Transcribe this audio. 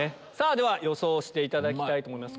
では予想していただきたいと思います。